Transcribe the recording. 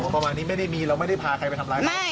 ประมาณนี้ไม่ได้มีเราไม่ได้พาใครไปทำร้ายเขา